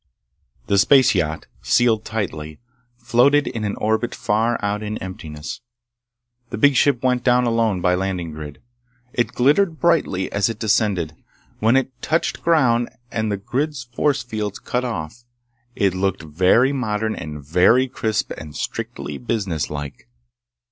The space yacht, sealed tightly, floated in an orbit far out in emptiness. The big ship went down alone by landing grid. It glittered brightly as it descended. When it touched ground and the grid's force fields cut off, it looked very modern and very crisp and strictly businesslike.